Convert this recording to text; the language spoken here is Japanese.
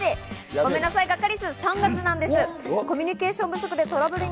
ごめんなさい、ガッカりす３月なんです。